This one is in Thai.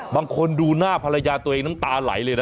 บางคนดูหน้าภรรยาตัวเองน้ำตาไหลเลยนะ